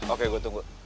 oke gue tunggu